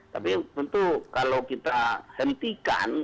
tapi tentu kalau kita hentikan